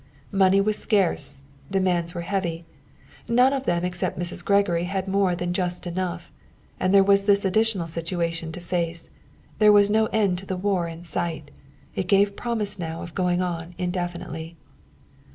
Money was scarce. Demands were heavy. None of them except Mrs. Gregory had more than just enough. And there was this additional situation to face: there was no end of the war in sight; it gave promise now of going on indefinitely.